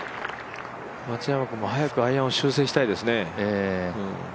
松山君も早くアイアンを修正したいですね。